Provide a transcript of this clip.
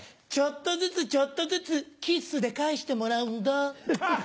ちょっとずつちょっとずつキッスで返してもらうんだ。